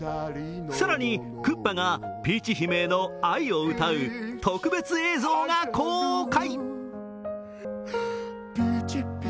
更に、クッパがピーチ姫への愛を歌う特別映像が公開。